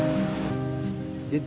masjidil haram masjidil haram